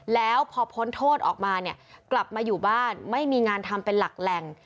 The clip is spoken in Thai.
แล้วพอพ้นโทษออกมาเนี่ยกลับมาอยู่บ้านไม่มีงานทำเป็นหลักแหล่ง